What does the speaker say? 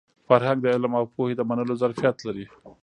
فرهنګ د علم او پوهې د منلو ظرفیت لري.